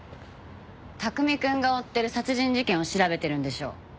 拓海くんが追ってる殺人事件を調べてるんでしょ？